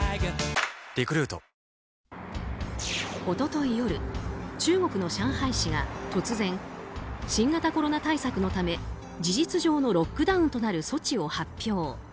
一昨日夜、中国の上海市が突然新型コロナ対策のため、事実上のロックダウンとなる措置を発表。